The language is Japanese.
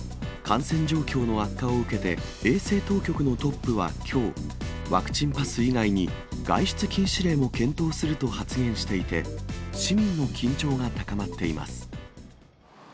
感染状況の悪化を受けて、衛生当局のトップはきょう、ワクチンパス以外に、外出禁止令も検討すると発言していて、市民の緊張が高まっています。